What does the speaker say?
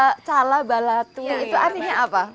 bu latwi cala balatwi itu artinya apa